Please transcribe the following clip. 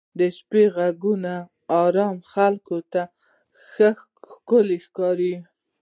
د شپې ږغونه ارامو خلکو ته ښکلي ښکاري.